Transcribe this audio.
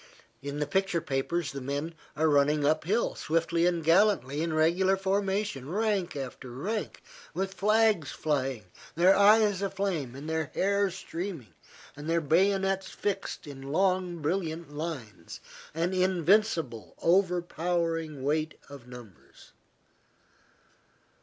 In the picture papers the men are running uphill swiftly and gallantly, in regular formation, rank after rank, with flags flying, their eyes aflame, and their hair streaming, their bayonets fixed, in long, brilliant lines, an invincible, overpowering weight of numbers.